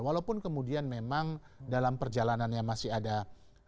walaupun kemudian memang dalam perjalanannya masih ada hal hal